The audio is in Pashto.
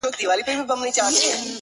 چي ورته سر ټيټ كړمه ، وژاړمه،